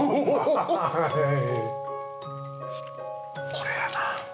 これやな。